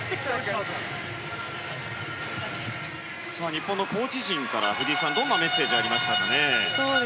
日本のコーチ陣から、藤井さんどんなメッセージがありましたかね。